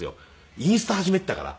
インスタ始めていたから。